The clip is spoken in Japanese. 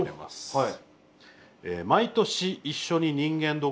はい。